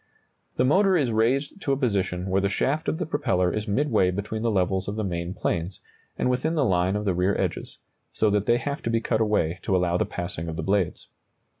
] The motor is raised to a position where the shaft of the propeller is midway between the levels of the main planes, and within the line of the rear edges, so that they have to be cut away to allow the passing of the blades.